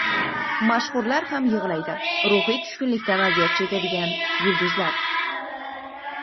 Mashhurlar ham yig‘laydi: Ruhiy tushkunlikdan aziyat chekadigan yulduzlar